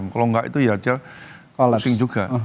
kalau enggak itu ya saja pusing juga